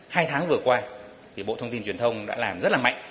hai tháng vừa qua thì bộ thông tin truyền thông đã làm rất là mạnh